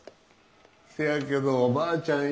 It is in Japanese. せやけどばあちゃん